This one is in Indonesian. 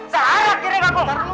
seharian kirim kamu